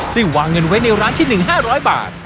ได้วางเงินไว้ในร้านที่๑๕๐๐บาท